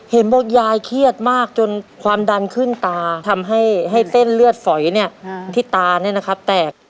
บอกยายเครียดมากจนความดันขึ้นตาทำให้เส้นเลือดฝอยเนี่ยที่ตาเนี่ยนะครับแตก